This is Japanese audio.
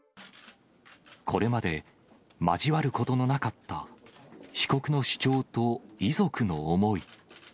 これまで、交わることのなかった被告の主張と遺族の思い。